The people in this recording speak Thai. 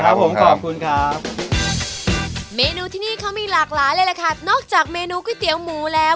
ครับผมขอบคุณครับเมนูที่นี่เขามีหลากหลายเลยแหละค่ะนอกจากเมนูก๋วยเตี๋ยวหมูแล้ว